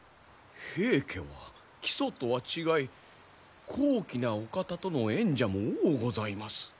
平家は木曽とは違い高貴なお方との縁者も多うございます。